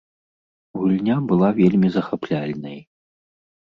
Гульня была вельмі захапляльнай.